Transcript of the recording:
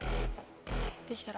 できたら。